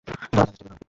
ধরা যাক, একটা বেলুন।